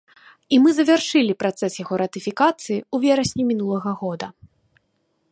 І мы завяршылі працэс яго ратыфікацыі ў верасні мінулага года.